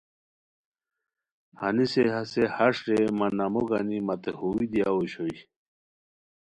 ہنیسے ہسے ہݰ رے مہ ناموگانی متے ہوئے دیاؤ اوشوئے